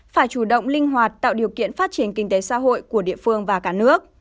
phải chủ động linh hoạt tạo điều kiện phát triển kinh tế xã hội của địa phương và cả nước